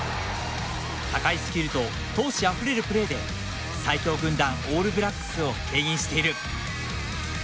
高いスキルと闘志あふれるプレーで最強軍団、オールブラックスをけん引している。